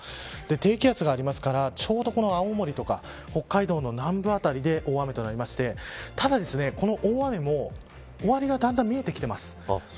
低気圧がありますからちょうど青森とか北海道の南部辺りで大雨となりましてただ、この大雨も終わりがだんだん見えてきています。